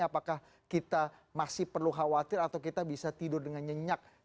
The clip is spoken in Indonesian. apakah kita masih perlu khawatir atau kita bisa tidur dengan nyenyak